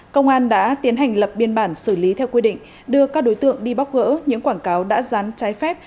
công an đã tiến hành lập biên bản xử lý theo quy định đưa các đối tượng đi bóc gỡ những quảng cáo đã rán trái phép